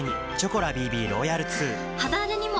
肌荒れにも！